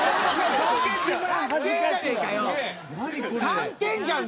３点じゃん。